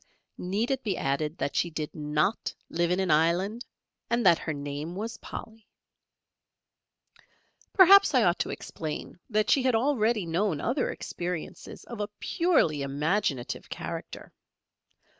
Need it be added that she did not live in an island and that her name was "Polly." Perhaps I ought to explain that she had already known other experiences of a purely imaginative character.